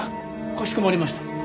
かしこまりました。